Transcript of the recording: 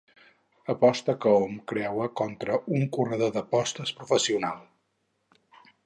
Aposta que hom creua contra un corredor d'apostes professional.